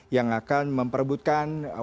yang akan memperbutkan warga